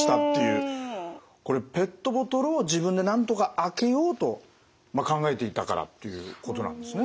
これペットボトルを自分でなんとか開けようと考えていたからっていうことなんですね。